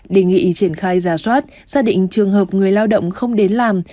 đề nghị triển khai giả soát xác định trường hợp người lao động không đến làm